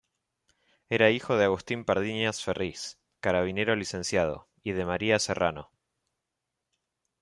Era hijo de Agustín Pardiñas Ferriz, carabinero licenciado, y de María Serrano.